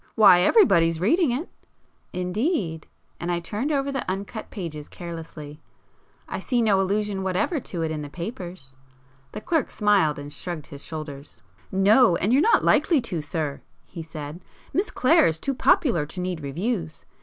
Why everybody's reading it!" "Indeed!" and I turned over the uncut pages carelessly—"I see no allusion whatever to it in the papers." The clerk smiled and shrugged his shoulders. "No—and you're not likely to, sir"—he said—"Miss Clare is too popular to need reviews.